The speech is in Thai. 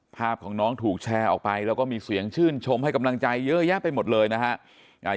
ภาพของน้องถูกแชร์ออกไปแล้วก็มีเสียงชื่นชมให้กำลังใจเยอะแยะไปหมดเลยนะฮะ